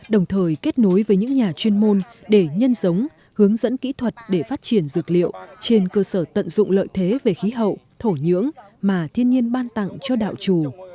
đồng thời kết nối với những nhà chuyên môn để nhân sống hướng dẫn kỹ thuật để phát triển dược liệu trên cơ sở tận dụng lợi thế về khí hậu thổ nhưỡng mà thiên nhiên ban tặng cho đạo chủ